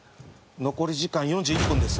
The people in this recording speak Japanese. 残り時間４１分です。